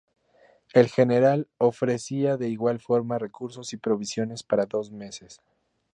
El general ofrecía de igual forma recursos y provisiones para dos meses.